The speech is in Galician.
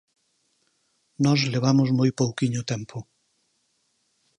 Nós levamos moi pouquiño tempo.